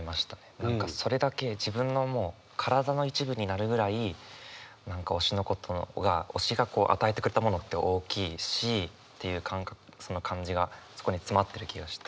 何かそれだけ自分のもう体の一部になるぐらい何か推しのことが推しが与えてくれたものって大きいしっていうその感じがそこに詰まってる気がして。